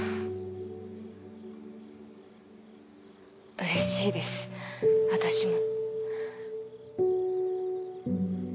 うれしいです私も。